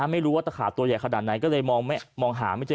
ไม่รู้ว่าตะขาตัวใหญ่ขนาดไหนก็เลยมองหาไม่เจอ